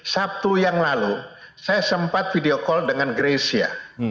sabtu yang lalu saya sempat video call dengan greysia